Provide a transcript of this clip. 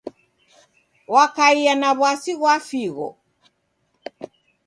Wakaia na w'asi ghwa figho.